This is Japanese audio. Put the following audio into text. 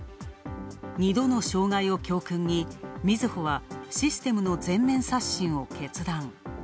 ２度の障害を教訓にみずほはシステムの全面刷新を決断。